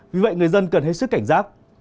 vì vậy người dân cần hết sức cảnh giác